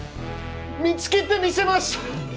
見つけてみせます！